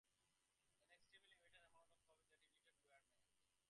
An extremely limited amount of copies of this edition were made.